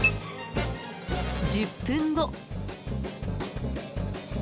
１０分後。